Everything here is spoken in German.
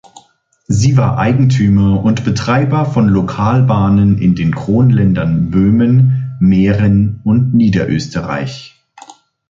Sie war Eigentümer und Betreiber von Lokalbahnen in den Kronländern Böhmen, Mähren und Niederösterreich.